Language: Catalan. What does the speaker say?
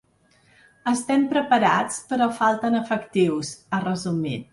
“Estem preparats però falten efectius”, ha resumit.